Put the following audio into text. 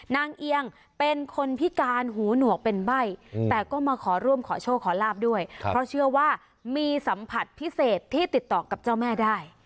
เอียงเป็นคนพิการหูหนวกเป็นใบ้แต่ก็มาขอร่วมขอโชคขอลาบด้วยเพราะเชื่อว่ามีสัมผัสพิเศษที่ติดต่อกับเจ้าแม่ได้